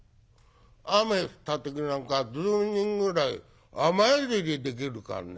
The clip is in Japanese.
雨降った時なんか１０人ぐらい雨宿りできるからね。